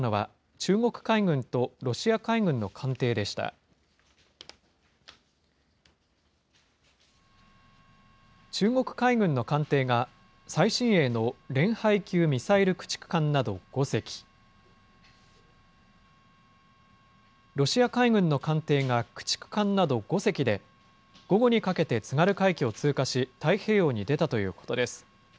中国海軍の艦艇が、最新鋭のレンハイ級ミサイル駆逐艦など５隻、ロシア海軍の艦艇が駆逐艦など５隻で、午後にかけて津軽海峡を通過し、太平洋に出たということです。